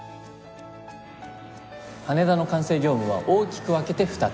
羽田の管制業務は大きく分けて２つ。